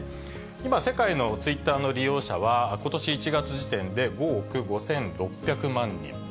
今、世界のツイッターの利用者は、ことし１月時点で５億５６００万人。